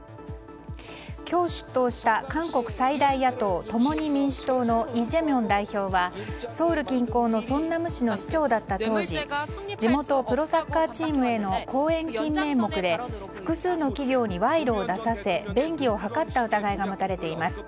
今日、出頭した韓国最大野党共に民主党のイ・ジェミョン代表はソウル近郊のソンナム市の市長だった当時地元プロサッカーチームへの後援金名目で複数の企業に賄賂を出させ便宜を図った疑いが持たれています。